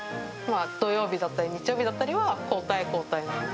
土曜日だったり日曜日だったりは、交代交代なんで。